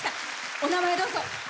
お名前、どうぞ。